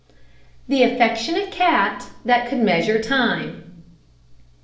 THE AFFECTIONATE CAT THAT COULD MEASURE TIME.